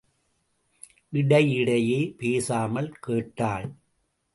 இடையிடையே பேசாமல் கேட்டாள்.